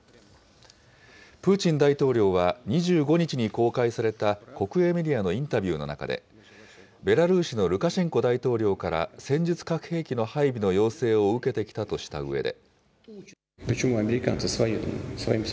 プーチン大統領は、２５日に公開された国営メディアのインタビューの中で、ベラルーシのルカシェンコ大統領から戦術核兵器の配備の要請を受けてきたとしたうえで。